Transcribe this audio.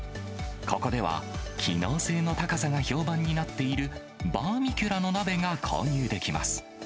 ここでは、機能性の高さが評判になっているバーミキュラの鍋が購入できます。